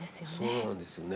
そうなんですよね。